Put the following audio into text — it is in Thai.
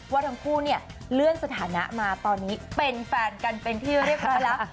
ว่าทั้งคู่เนี่ยเลื่อนสถานะมาตอนนี้เป็นแฟนกันเป็นที่เรียบร้อยแล้ว